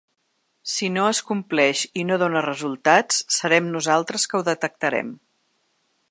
Si no es compleix i no dóna resultats serem nosaltres que ho detectarem.